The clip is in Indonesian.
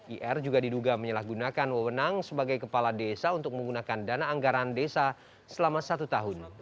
ir juga diduga menyalahgunakan wewenang sebagai kepala desa untuk menggunakan dana anggaran desa selama satu tahun